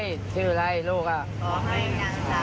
สัมปเวศีวิญญาณเล่ลอนทั้งหลาย